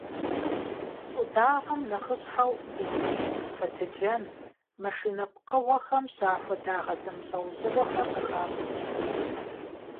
ЩӀыдагъэм нэхъыщхьэу бензин, фэтыджэн, машинэ пкъыгъуэхэм щахуэ дагъэ зэмылӀэужьыгъуэхэр къыхащӀыкӀ.